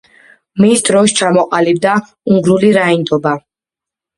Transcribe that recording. მის დროს ჩამოყალიბდა უნგრული რაინდობა.